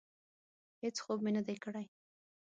هېڅ خوب مې نه دی کړی.